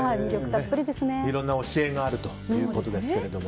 いろんな教えがあるということですけれども。